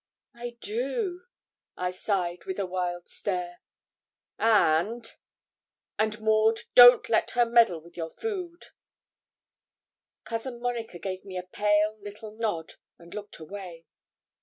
'I do,' I sighed, with a wild stare. 'And and, Maud, don't let her meddle with your food.' Cousin Monica gave me a pale little nod, and looked away.